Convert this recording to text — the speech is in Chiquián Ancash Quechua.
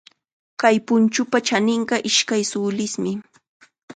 Kay punchupa chaninqa ishkay sulismi.